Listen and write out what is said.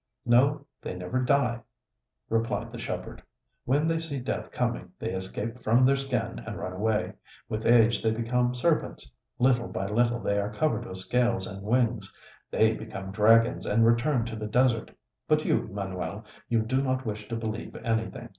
"No, they never die," replied the shepherd. "When they see death coming they escape from their skin, and run away. With age they become serpents; little by little they are covered with scales and wings: they become dragons, and return to the desert. But you, Manuel, you do not wish to believe anything.